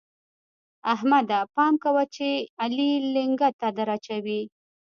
احمده! پام کوه چې علي لېنګته دراچوي.